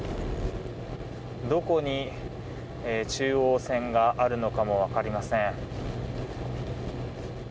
どこに中央線があるのかも分かりません。